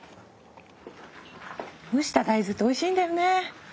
蒸した大豆っておいしいんだよね。